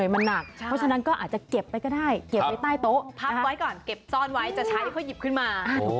พับไว้ก่อนเก็บซ่อนไว้จะใช้เพื่อหยิบขึ้นมา